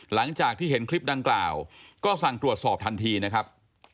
หลังจากที่เห็นคลิปดังกล่าวก็สั่งตรวจสอบทันทีนะครับ